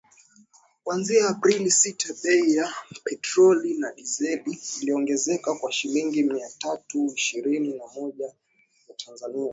kuanzia Aprili sita bei ya petroli na dizeli iliongezeka kwa shilingi mia tatu ishirini na moja za Tanzania